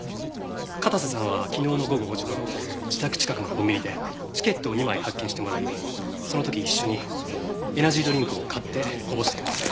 片瀬さんは昨日の午後５時頃自宅近くのコンビニでチケットを２枚発券してもらいその時一緒にエナジードリンクを買ってこぼしています。